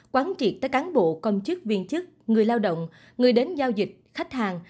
quán triệt tới cán bộ công chức viên chức người lao động người đến giao dịch khách hàng